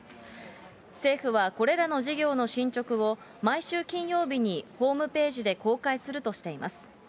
政府はこれらの事業の進捗を毎週金曜日にホームページで公開するとしています。